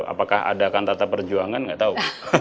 apakah ada kantata perjuangan nggak tahu